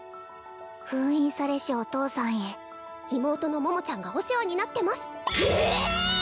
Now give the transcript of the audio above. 封印されしお父さんへ妹の桃ちゃんがお世話になってます